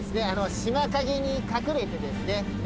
島影に隠れてですね